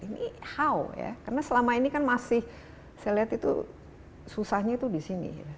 ini how ya karena selama ini kan masih saya lihat itu susahnya itu di sini